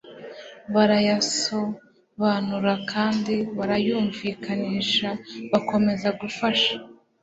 barayasobanura kandi barayumvikanisha bakomeza gufasha